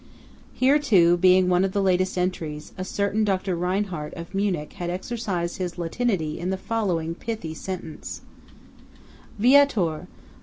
Here too, being one of the latest entries, a certain Dr. Reinhart of Munich had exercised his Latinity in the following pithy sentence :– Viator!